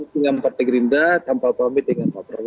dengan partai gerindra tanpa pamit dengan pak prabowo